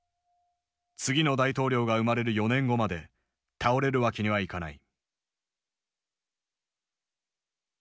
次の大統領が生まれる４年後まで倒れるわけにはいかない。